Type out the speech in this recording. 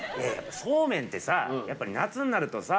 そうめんってさやっぱり夏になるとさ。